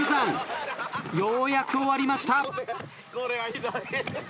ようやく終わりました。